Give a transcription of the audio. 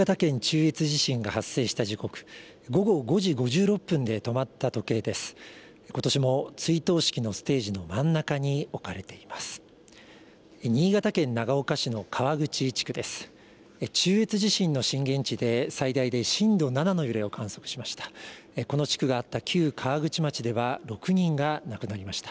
中越地震の震源地で、最大で震度７の揺れを観測しました。